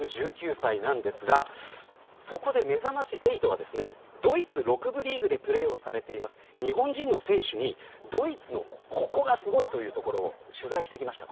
１９歳なんですがそこで、めざまし８はドイツ６部リーグでプレーをされている日本人の選手にドイツの、ここがすごいというところを取材してきました。